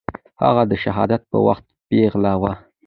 هغه د شهادت په وخت پېغله وه.